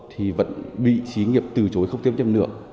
thì vẫn bị sĩ nghiệp từ chối không tiếp nhận nữa